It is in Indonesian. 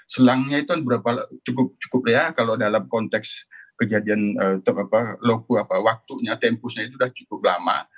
selangnya itu berapa cukup ya kalau dalam konteks kejadian loku apa waktunya tempusnya itu sudah cukup lama